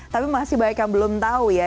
tapi masih banyak yang belum tahu ya